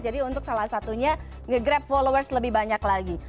jadi untuk salah satunya nge grab followers lebih banyak lagi